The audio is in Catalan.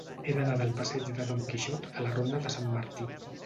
He d'anar del passeig de Don Quixot a la ronda de Sant Martí.